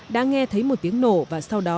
đã nghe thấy một tiếng nổ và sau đó